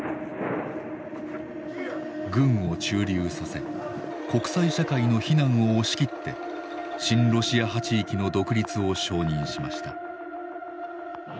軍を駐留させ国際社会の非難を押し切って親ロシア派地域の独立を承認しました。